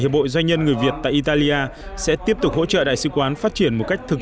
hiệp hội doanh nhân người việt tại italia sẽ tiếp tục hỗ trợ đại sứ quán phát triển một cách thực